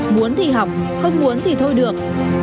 muốn thì học không muốn thì thôi được